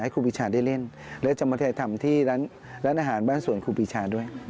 ครูปีชาได้เล่นและจะมาเทยทำที่ร้านอาหารบ้านสวนครูปีชาด้วย